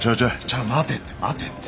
ちょ待ってって待ってって。